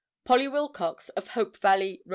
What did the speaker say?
Polly Wilcox of Hope Valley, R.